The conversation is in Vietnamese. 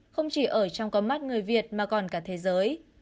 không chỉ ở trong con mắt người việt mà còn cả thế giới